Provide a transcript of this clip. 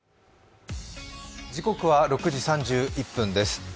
時刻は６時３１分です。